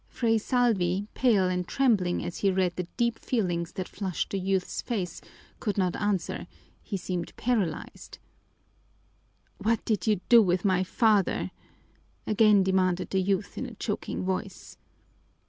Fray Salvi, pale and trembling as he read the deep feelings that flushed the youth's face, could not answer; he seemed paralyzed. "What did you do with my father?" again demanded the youth in a choking voice.